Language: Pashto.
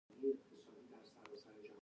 د خبرپاڼې له مخې